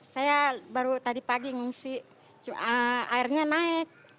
saya baru tadi pagi mengungsi airnya naik